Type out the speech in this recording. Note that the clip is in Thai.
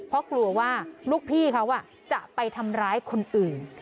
เพราะกลัวว่าลูกพี่เขาจะไปทำร้ายคนอื่น